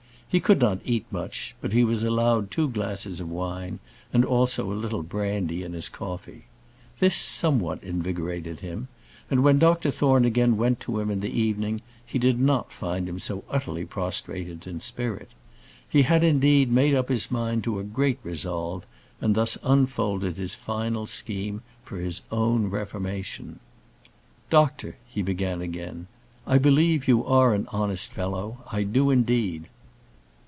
He could not eat much, but he was allowed two glasses of wine, and also a little brandy in his coffee. This somewhat invigorated him, and when Dr Thorne again went to him, in the evening, he did not find him so utterly prostrated in spirit. He had, indeed, made up his mind to a great resolve; and thus unfolded his final scheme for his own reformation: "Doctor," he began again, "I believe you are an honest fellow; I do indeed."